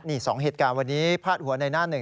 นี่๒เหตุการณ์วันนี้พาดหัวในหน้าหนึ่ง